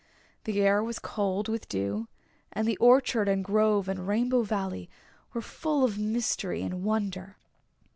The air was cold with dew and the orchard and grove and Rainbow Valley were full of mystery and wonder.